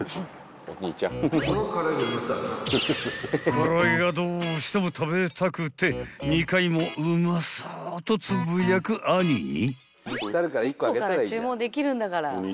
［から揚げがどうしても食べたくて２回もうまそうとつぶやく兄に］